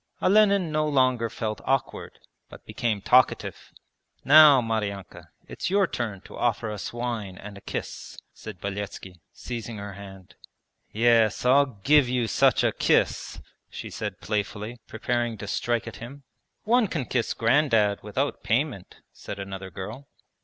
Olenin no longer felt awkward, but became talkative. 'Now, Maryanka, it's your turn to offer us wine and a kiss,' said Beletski, seizing her hand. 'Yes, I'll give you such a kiss!' she said playfully, preparing to strike at him. 'One can kiss Grandad without payment,' said another girl.